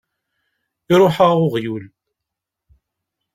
Iṛuḥ-aɣ weɣyul!